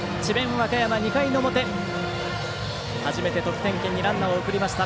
和歌山、２回の表初めて得点圏にランナーを送りました。